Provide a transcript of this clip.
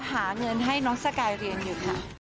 หาเงินให้น้องสกายเรียนอยู่ค่ะ